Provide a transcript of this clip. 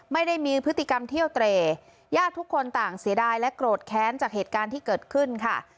ไม่ได้มีพฤติกรรมเที่ยวเตรญาติทุกคนต่างเสียดายและโกรธแค้นจากเหตุการณ์ที่เกิดขึ้นค่ะ